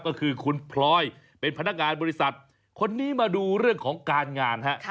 ก็คือคุณพลอยเป็นพนักงานบริษัทคนนี้มาดูเรื่องของการงานฮะ